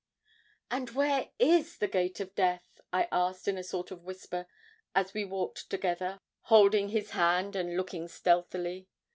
'And where is the gate of death?' I asked in a sort of whisper, as we walked together, holding his hand, and looking stealthily.